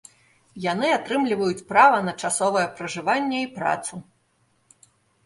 Яны атрымліваюць права на часовае пражыванне і працу.